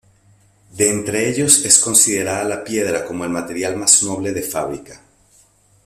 De entre ellos es considerada la piedra como el material más noble de fábrica.